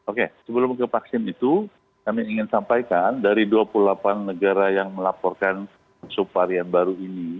oke sebelum ke vaksin itu kami ingin sampaikan dari dua puluh delapan negara yang melaporkan subvarian baru ini